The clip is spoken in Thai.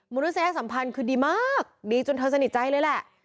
นุษยสัมพันธ์คือดีมากดีจนเธอสนิทใจเลยแหละ